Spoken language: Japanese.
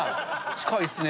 近いっすね。